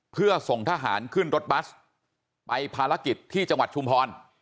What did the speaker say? เพื่อส่งทหารขึ้นรถบัสไปภารกิจที่จังหวัดชุมพร